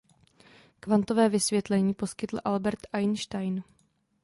Kvantové vysvětlení poskytl Albert Einstein.